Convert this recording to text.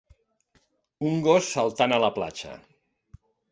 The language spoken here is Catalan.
Un gos saltant a la platja